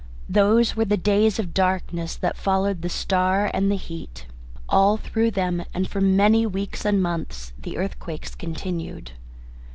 Those were the days of darkness that followed the star and the heat. All through them, and for many weeks and months, the earthquakes continued.